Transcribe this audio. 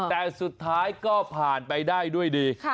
แต่สุดท้ายก็ผ่านไปได้ด้วยดี